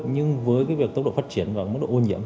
nhưng với cái việc tốc độ phát triển và tốc độ ô nhiễm